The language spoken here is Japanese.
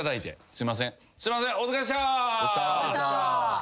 すいません。